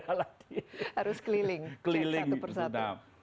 harus keliling satu persatu